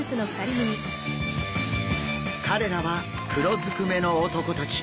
彼らは黒ずくめの男たち。